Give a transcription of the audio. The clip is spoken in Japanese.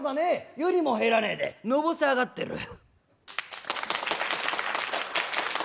湯にも入らねえでのぼせ上がってるよ」。